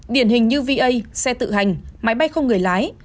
điển hình như va xe tự hành máy bay không người lái